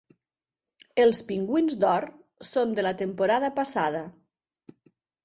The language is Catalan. Els Pingüins d'or són de la temporada passada.